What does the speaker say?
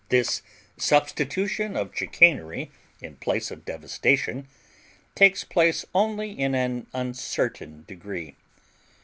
This substitution of chicanery in place of devastation takes place only in an uncertain degree.